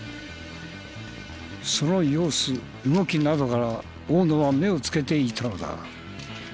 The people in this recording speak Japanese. その様子動きなどから大野は目をつけていたのだ。